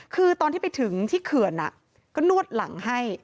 คือตอนที่ไปถึงที่เขื่อนก็นวดหลังให้